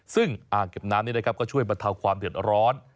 ซึ่งอ่างเก็บน้ำนี้นะครับก็ช่วยบรรเทาความเดือดร้อน